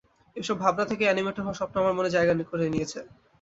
এসব ভাবনা থেকেই অ্যানিমেটর হওয়ার স্বপ্ন আমার মনে জায়গা করে নিয়েছে।